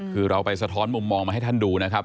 คือเราไปสะท้อนมุมมองมาให้ท่านดูนะครับ